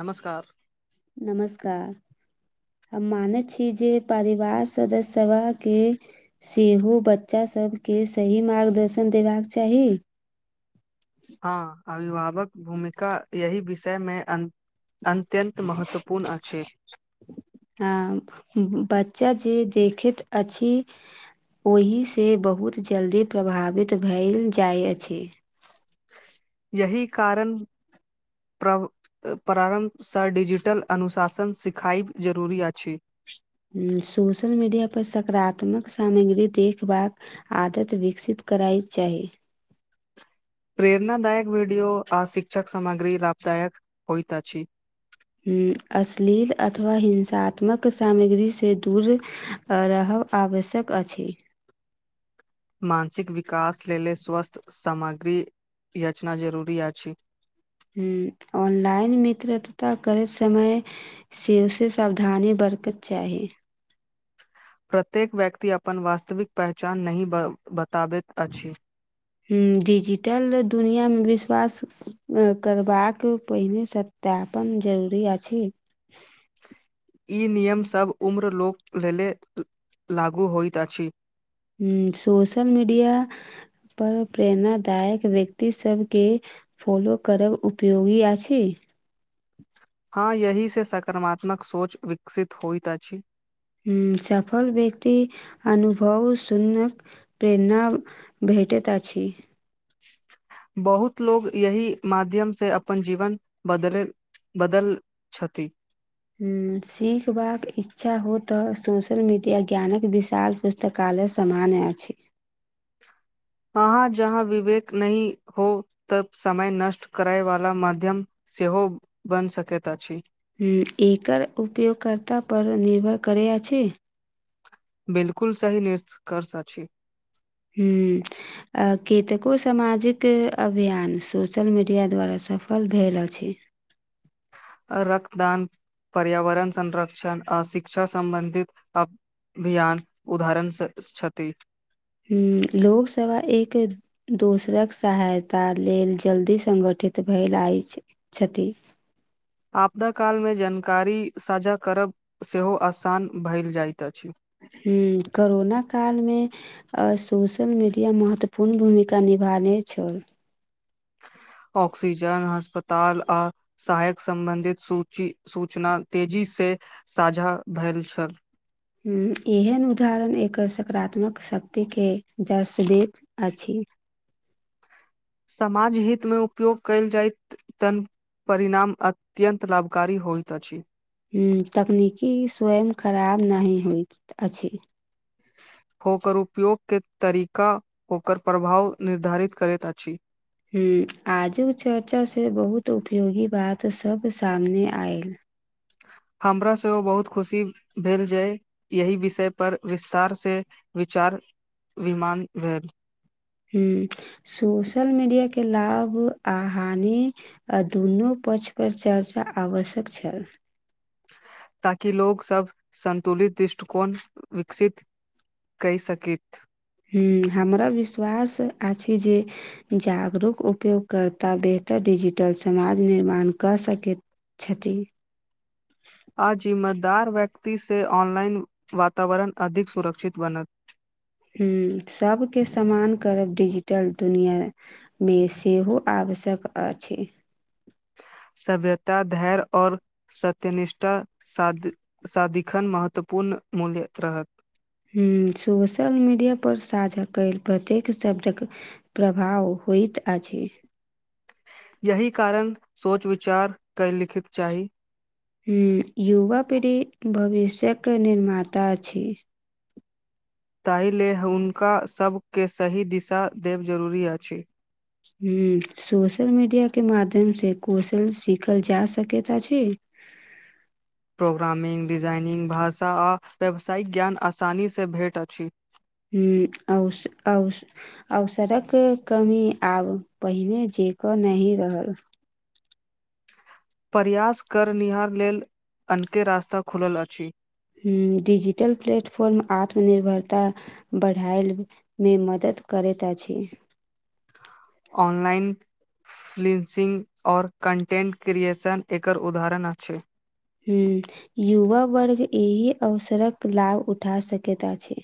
नमस्कार नमस्कार हम माने छी जे परिवार सदस्य सभके सेहो बच्चासभके सही मार्गदर्शन देबाक चाही हँ अभिभावक भूमिका यही विषय मे अन अत्यन्त महत्वपूर्ण अछि हँ बच्चा जे देखैत अछि ओहिसँ बहुत जल्दी प्रभावित भेल जाइत अछि यही कारण प्रारम्भसँ डिजिटल अनुशासन सिखाएब जरुरी अछि सोशल मीडियापर सकारात्मक सामग्री देखबाक आदत विकसित करइ चाही प्रेरणदायक वीडियो आ शिक्षक सामग्री लाभदायक होइत अछि हूंम्म अश्लील अथवा हिंसात्मक सामग्रीसँ दूर रहब आवश्यक अछि मानसिक विकास लेल स्वस्थ सामग्री यचना जरूरी अछि हूंम्म ऑनलाइन मित्रतता करैत समय से ओ से सावधानी बरतत चाही प्रत्येक व्यक्ति अपन वास्तविक पहचान नहि बताबैत अछि हूंम्म डिजिटल दुनियाँमे विश्वास करबाक पहिनेसँ सत्यापन जरूरी अछि ई नियम सब उम्र लोक लेले लागू होइत अछि हूंम्म सोशल मीडिया पर प्रेरणादायक व्यक्ति सबके फॉलो करब उपयोगी अछि हँ यही से सकारात्मक सोच विकसित होइत अछि। हूंम्म सफल व्यक्ति अनुभव सुनक प्रेरणा भेटेैत अछि बहुत लोग यही माध्यम से अपन जीवन बदलैत बदल छति हूंम्म सिखबाक इच्छा हो तऽ सोशल मीडिया ज्ञानक विशाल पुस्तकालय सामाने अछि हाँ हाँ जहाँ विवेक नहि हो तब समय नष्ट करय वाला माध्यम सेहो बन सकैत अछि। एकर उपयोगकर्ता पर निर्भर करै अछि बिलकुल सही निष्कर्ष अछि हूंम्म कतेको सामाजिक अभियान सोशल मीडिया द्वारा सफल भेल अछि। रक्तदान पर्यावरण संरक्षण आ शिक्षा सम्बन्धित अभियान उदाहरण छथि हूंम्म लोकसवा एक दोसरक सहायता लेल जल्दी संगठित भेल आयल छथि आपदा कालमे जानकारी साझा करब सेहो आसान भइल जाइत अछि। हूंम्म करोना कालमे आ सोशल मीडिया महत्वपूर्ण भूमिका निभाने छौ ऑक्सीजन अस्पताल आ सहायक सम्बन्धित सूची सूचना तेजी से साझा भेल छल हूंम्म एहन उदाहरण एकर सकारात्मक शक्तिके जर्श देत अछि। समाज हित मे उपयोग कयल जाइत तन परिणाम अत्यन्त लाभकारी होइत अछि। हूँ तकनीकी स्वयं खराब नहि होइत अछि ओकर उपयोगकेँ तरीका ओकर प्रभाव निर्धारित करैत अछि। ह्म आजुक चर्चासँ बहुत उपयोगी बात सभ सामने आयल हमरा सेहो बहुत खुशी भेलऽ जेय यहि विषय पर विस्तार से विचार विमान भेल सोशल मीडिया के लाभ आ हानि आ दुनू पक्ष पर चर्चा आवश्यक छै ताकि लोको सभ संन्तुलित दृष्टिकोण विकसित कै सकैत। हु, हमरा विश्वास अछि जे जागरूक उपयोगकर्ता बेहतर डिजिटल समाज निर्माण कऽ सकैत क्षति। आ जिम्मेदार व्यक्ति सँ ऑनलाइन वातावरण अधिक सुरक्षित बनत हूँ सभकेँ सम्मान करब डिजिटल दुनिआँ। मे सेहो आवश्यक अछि। सभ्यता धैर्य और सत्य निष्ठा साद सदिखन महत्वपूर्ण मूल्य रहत हू सोशल मीडियापर साझा कयल प्रत्येक शब्दक प्रभाव होइत अछि। यहि कारण सोच विचार के लिखित चाही हूँ, युवा पीढ़ी भविष्य के निर्माता छै ताहि लेलऽ हुनका सभके सही दिशा देब जरूरी अछि हू, सोशल मीडिया के माध्यम से कौशल सीखल जा सकत अछि प्रोग्रामिंगग डिजाइनिरग भाषा आ व्यावसायिक ज्ञान आसानीसँ भेट अछि हू, आओश आओश अवसर कऽ कमी आब पहिने जे क नहि रहल प्रयास करनिहार लेलऽ अनके रास्ता खुल अछि हू, डीजिटल प्लेटफॉर्म आत्मनिर्भरता बढ़ाय मे मदद करैत अछि ऑनलाइन। फलिन्सिंग ओर कन्टेन्ट क्रिएशन एकर उदाहरण अछि। हूँ, युवा वर्ग एहि अवसरक लाभ उठा सकैत अछि।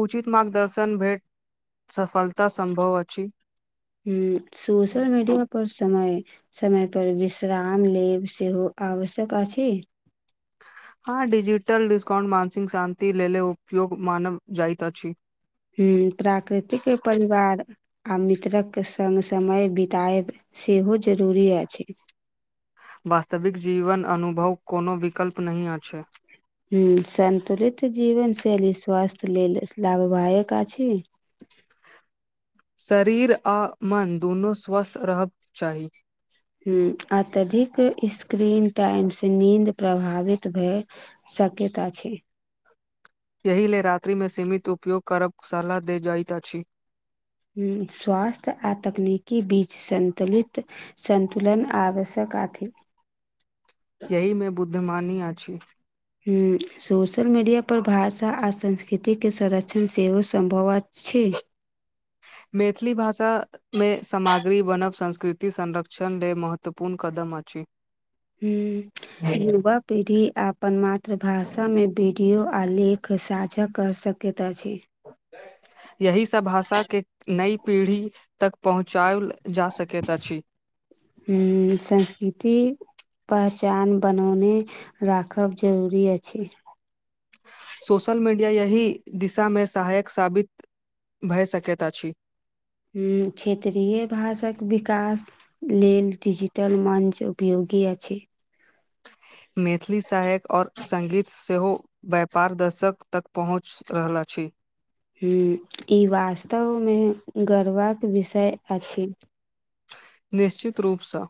उचित मार्गदर्शन भेट सफलता सम्भव अछि। हू सोशल मीडिया पर समय समय पर विश्राम लेब सेहो आवश्यक छै। ह, डिजिटल डिस्काउंट मानसिक शान्ति लेल उपयोग मानब जाइत अछि हू, प्राकृतिक परिवार आ मित्रक संघ समय बितएब सेहो जरूरी अछि वास्तविक जीवन अनुभव कोनो विकल्प नहि अछि हू संतुलित जीवन शैली स्वास्थ लेलऽ लाभवायक अछि शरीर आ मन दुनू स्वस्थ रह कऽ चाही ह्म अत्यधिक स्क्रीन टाइमसँ नीन्द प्रभावित भऽ शक्यत छै। एहि लेलऽ रात्रिमे सीमित उपयोग करब सलाह दे जाइत अछि। स्वास्थ्य आ तकनीकि बीच संन्तुलित सन्तुलन आवश्यक अछि। यहीमे बुद्धमानी अछि। हूँ, सोशल मीडिया पर भाषा आ संस्कृति के संरक्षण सेहो सम्भवत छै। मैथिली भाषा। मे सामग्री बन ब संस्कृति संरक्षण ले महत्वपूर्ण कदम अछि। हूँ। युवा पीढ़ी अपन मातृभाषामे वीडियो आ लेख साझा कऽ सक केतऽ छी। यही सभ भाषाके नई पीढ़ी। तक पहुँचायलऽ जा सकैत अछि। हू, संस्कृति। पहचान बनौ राखब जरूरी अछि। सोशल मीडिया यहि दिशा मे सहायक साबित भऽ सकता छी हू क्षेत्रीय भाषाके विकास लेलऽ डिजिटल मञ्च उपयोगी अ छै मैथिली सहायक ओर संगीत सेहो व्यापार दशकऽ तक पहुँच रहल अछि हू, ई वास्तवमे गर्वक विषय अछि। निश्चित रूपसँ।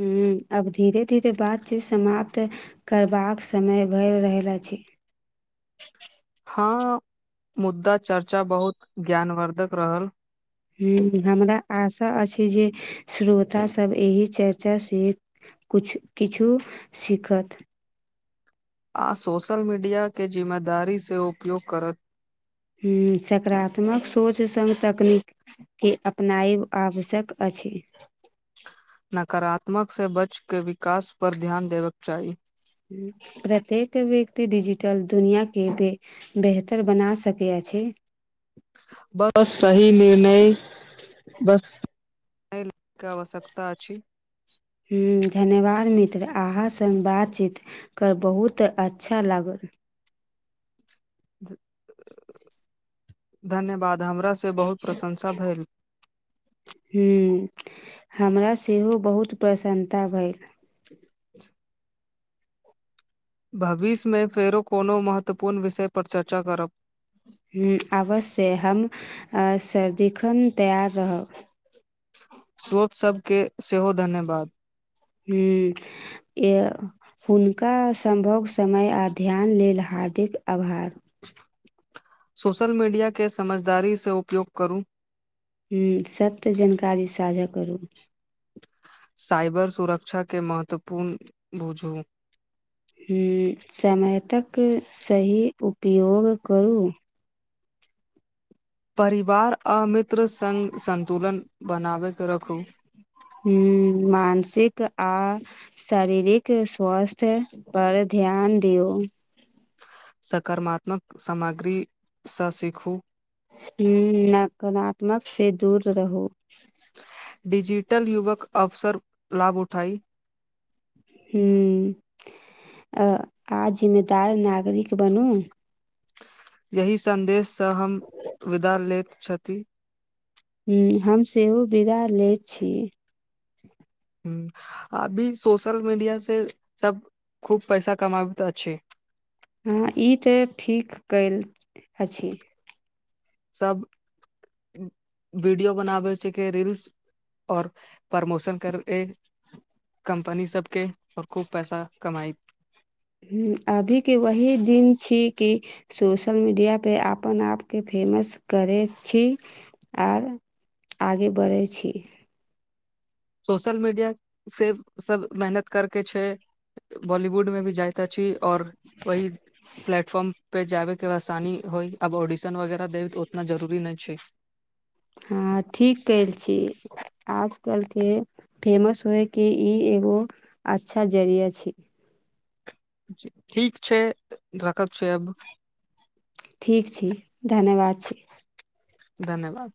हू, अब धीरे धीरे बात चीत समाप्त करबाक समय भरि रहल अछि। हँ, मुद्दा चर्चा बहुत ज्ञानवर्ध कऽ रहल हू, हमरा आशा अछि जे श्रोता सभ एहि चर्चा से कुछु किछु सीखतऽ आ सोशल मीडियाकेँ जिम्मेदारी से उपयोग करत ह सकारात्मक सोच संघ तकनीक के अपनायब आवश्यक अछि। नकारात्मकसँ बच के विकास पर ध्यान देबेके चाही प्रत्येक व्यक्ति डिजिटल दुनिया के भ बेहतर बना सकै अछि। बस, सही निर्णय बस। के आवश्यकतऽ अछि हू, धन्यवाद मित्र अहाँसँ बातचीत कर बहुत अच्छा लागल धन्यवाद हमरा सँ बहुत प्रशंसा भेल हू, हमरा सेहो बहुत प्रसन्नता भेल [inaudible] भविष्य मे फेरो कोनो महत्वपूर्ण विषय पर चर्चा करब आवश्यक हम सदिखन तैयार रहब स्रोत सभके सेहो धन्यवाद हू। या हुनका सम्भव समय आ ध्यान लेलऽ हार्दिक आभार सोशल मीडियाकेँ समझदारी से उपयोग करू हूँ सभ त जानकारी साझा करू साइबर सुरक्षा के महत्वपूर्ण बुझ समयतकऽ सही उपयोग करू परिवार आ मित्र संग संन्तुलन बनाबैके राखू हूँ मानसिक आ शारीरिक स्वास्थ्य पर ध्यान दियो सकारात्मक सामग्रीसँ सीखू हं नकारात्मक से दूर रहू डीजिटल युवक अवसर लाभ उठाई हं आ जिम्मेदार नागरिक बनू यही सन्देशसँ हम विदा लेैत छथि हं हम सेहो बिदा लैत छी हं अभी सोशल मीडिया से सब खूब पैसा कमाबैत त छै हँ ई तऽ ठीक कइल अछी सब वीडियो बनाबे छै की रील्स और प्रमोशन करे कम्पनी सब के और खूब पैसा कमाई हूँ अभी के वही दिन छी की सोशल मीडिया पे अपन आपके फेमस करय छी आर आगे बढ़ैत छी सोशल मीडिया से सब मेहनत करके छै बॉलीवुड में भी जायत अछि आऔर वही प्लेटफॉर्म पे जाबे के आसानी होइ अब ऑडिशन वगैरह देब तऽ ओतना जरूरी नइ छै हँ ठीक कल छी आज कल के फेमस होए के ई एगो अच्छा जरिया छय ठीक छय रखत छय अब ठीक छी धन्यवाद छी धन्यवाद